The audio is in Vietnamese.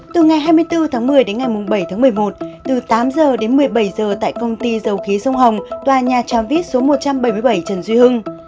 từ ngày hai mươi bốn một mươi đến ngày bảy một mươi một từ tám h đến một mươi bảy h tại công ty dầu khí sông hồng tòa nhà tram vít số một trăm bảy mươi bảy trần duy hưng